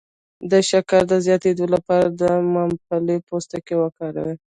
د شکر د زیاتیدو لپاره د ممپلی پوستکی وکاروئ